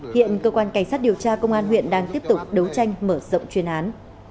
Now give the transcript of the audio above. hiện cơ quan cảnh sát điều tra công an huyện đang tiếp tục đấu tranh mở rộng chuyên án